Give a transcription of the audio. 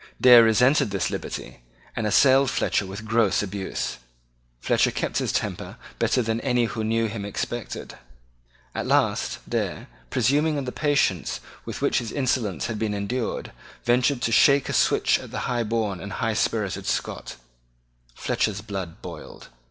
Dare resented this liberty, and assailed Fletcher with gross abuse. Fletcher kept his temper better than any one who knew him expected. At last Dare, presuming on the patience with which his insolence had been endured, ventured to shake a switch at the high born and high spirited Scot Fletcher's blood boiled.